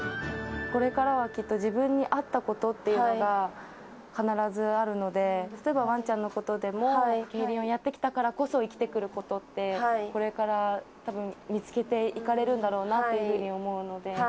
これからはきっと自分に合ったことっていうのが、必ずあるので、例えばわんちゃんのことでも、競輪をやってきたからこそ生きてくることって、これからたぶん見つけていかれるんだろうなと思うので。